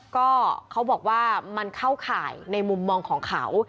ก็เขาบอกว่ามันเข้าข่ายในมุมมองของเขา